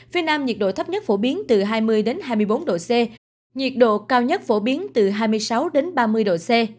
phía nam nhiệt độ thấp nhất phổ biến từ hai mươi hai mươi bốn độ c nhiệt độ cao nhất phổ biến từ hai mươi sáu ba mươi độ c